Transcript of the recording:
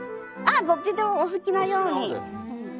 どっちでもお好きなように。